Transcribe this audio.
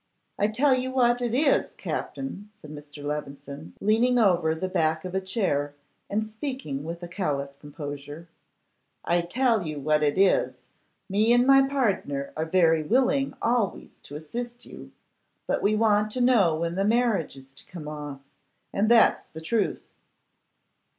'I tell you what it is, Captin,' said Mr. Levison, leaning over the back of a chair, and speaking with callous composure; 'I tell you what it is, me and my pardner are very willing always to assist you; but we want to know when the marriage is to come off, and that's the truth.